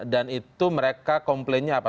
dan itu mereka komplainnya apa